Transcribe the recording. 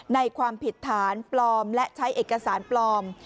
ความผิดฐานปลอมและใช้เอกสารปลอม